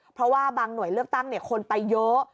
เพราะว่าบางหน่วยเลือกตั้งคนไปเยอะ